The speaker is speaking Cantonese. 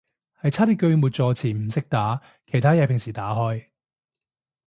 係差啲句末助詞唔識打，其他嘢平時打開